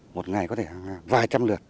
một ngày có thể hàng vài trăm lượt